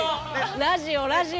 ラジオ、ラジオ。